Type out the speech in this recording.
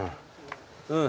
うん。